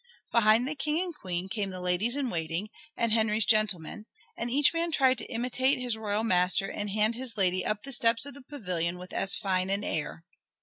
Behind the King and Queen came the ladies in waiting and Henry's gentlemen, and each man tried to imitate his royal master and hand his lady up the steps of the pavilion with as fine an air.